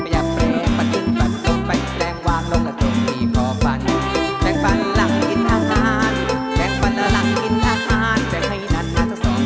แรงค่อยเบาอย่าแรงคนแรงปัดลูกปัดลูกปัดลง